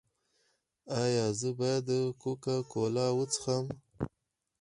ایا زه باید کوکا کولا وڅښم؟